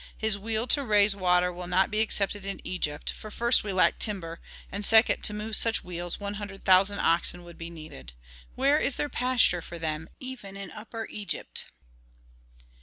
His wheel to raise water will not be accepted in Egypt, for first we lack timber, and second to move such wheels one hundred thousand oxen would be needed. Where is there pasture for them even in Upper Egypt?"